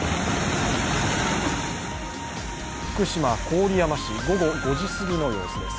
福島・郡山市、午後５時すぎの様子です。